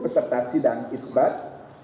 peserta sidang isbat